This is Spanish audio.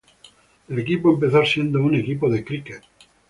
El equipo empezó siendo un equipo de Críquet.